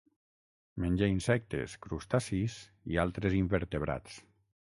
Menja insectes, crustacis i altres invertebrats.